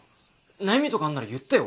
悩みとかあるなら言ってよ。